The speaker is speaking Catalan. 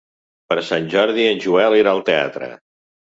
Per Sant Jordi en Joel irà al teatre.